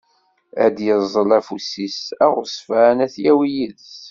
Ad d-yeẓẓel afus-is aɣezzfan ad t-yawi yid-s.